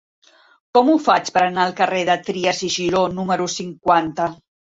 Com ho faig per anar al carrer de Trias i Giró número cinquanta?